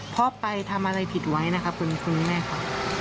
พ่อไปทำอะไรผิดไว้นะครับคุณแม่ค่ะ